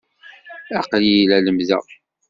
Aql-iyi la lemmdeɣ.